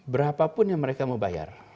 berapapun yang mereka mau bayar